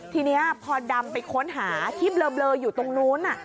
ทีนี้พอดำไปค้นหาที่เบลออยู่ตรงนู้น